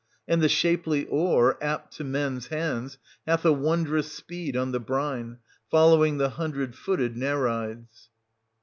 And the shapely oar, apt to men's hands, hath a won drous speed on the brine, following the hundred footed Nereids.